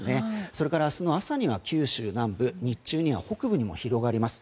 それから、明日の朝には九州南部日中には北部にも広がります。